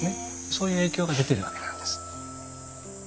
そういう影響が出てるわけなんです。